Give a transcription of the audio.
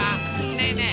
ねえねえ